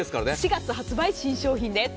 ４月発売新商品です。